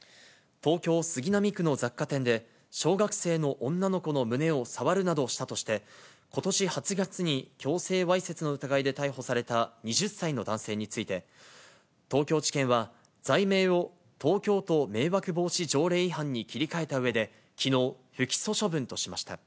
東京・杉並区の雑貨店で、小学生の女の子の胸を触るなどしたとして、ことし８月に強制わいせつの疑いで逮捕された２０歳の男性について、東京地検は、罪名を東京都迷惑防止条例違反に切り替えたうえで、きのう、不起訴処分としました。